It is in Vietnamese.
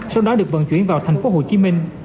sau đó được vận chuyển vào thành phố hồ chí minh